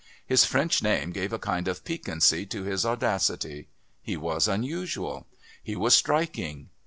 His French name gave a kind of piquancy to his audacity; he was unusual; he was striking.